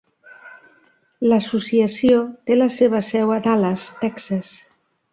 L'associació té la seva seu a Dallas, Texas.